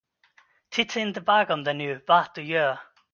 Titta inte bakom dig nu, vad du gör!